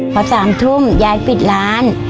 พอ๓ทุ่มยายปิดร้าน